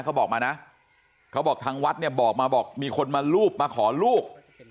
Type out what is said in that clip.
เขาบอกมานะเขาบอกทางวัดเนี่ยบอกมาบอกมีคนมารูปมาขอลูก